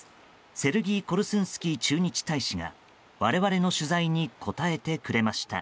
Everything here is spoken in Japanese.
セルギー・コルスンスキー駐日大使が我々の取材に答えてくれました。